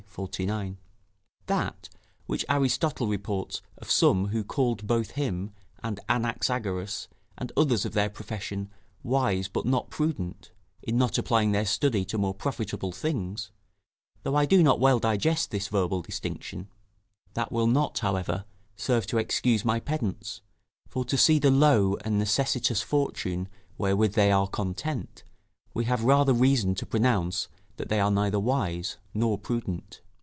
49.] That which Aristotle reports of some who called both him and Anaxagoras, and others of their profession, wise but not prudent, in not applying their study to more profitable things though I do not well digest this verbal distinction that will not, however, serve to excuse my pedants, for to see the low and necessitous fortune wherewith they are content, we have rather reason to pronounce that they are neither wise nor prudent.